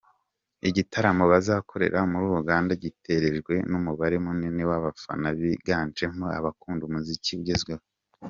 Igitaramo bazakorera muri Uganda gitegerejwe n’umubare munini w’abafana biganjemo abakunda umuziki ugezweho.